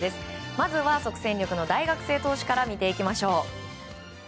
まずは、即戦力の大学生投手から見ていきましょう。